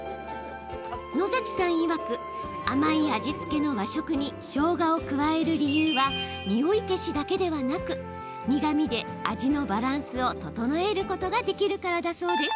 野崎さんいわく、甘い味付けの和食にしょうがを加える理由はにおい消しだけではなく苦みで味のバランスを調えることができるからだそう。